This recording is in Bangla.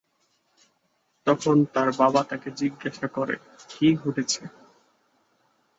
তখন তার বাবা তাকে জিজ্ঞাসা করে কী ঘটেছে?